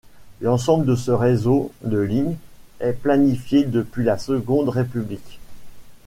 L'ensemble de ce réseau de lignes est planifié depuis la Seconde République.